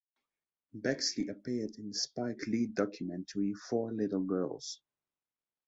Baxley appeared in the Spike Lee documentary "Four Little Girls".